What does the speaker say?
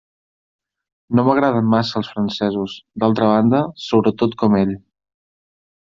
No m'agraden massa els francesos, d'altra banda, sobretot com ell.